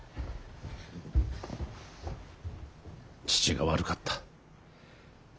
父が悪かった。